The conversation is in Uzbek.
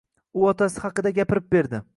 U otasi haqida gapirib berdi.